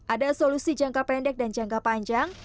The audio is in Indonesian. ada solusi jangka pendek dan jangka panjang